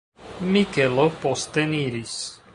Mikelo posteniris.